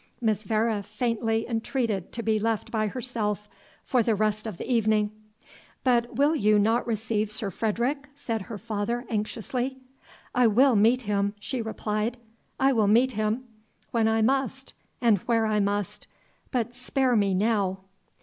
Miss Vere faintly entreated to be left by herself for the rest of the evening. "But will you not receive Sir Frederick?" said her father, anxiously. "I will meet him," she replied, "I will meet him when I must, and where I must; but spare me now."